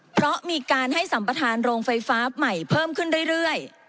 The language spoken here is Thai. เพราะมีการให้สัมประธานโรงไฟฟ้าใหม่เพิ่มขึ้นเรื่อย